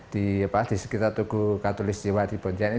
sehingga kira kira perlu di sekitar tugu katuliscewa di pontianak